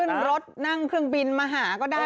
ขึ้นรถนั่งเครื่องบินมาหาก็ได้